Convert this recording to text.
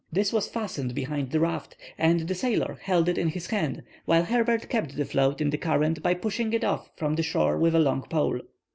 This was fastened behind the raft, and the sailor held it in his hand, while Herbert kept the float in the current by pushing it off from the shore with a long pole.